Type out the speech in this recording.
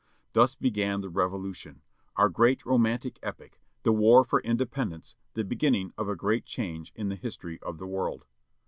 Thus began the Revolution, ovu" great romantic epic, the war for Independence, the beginning of a great change in the history of the world.